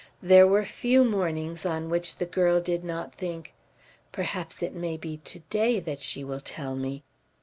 There were few mornings on which the girl did not think, "Perhaps it may be to day that she will tell me."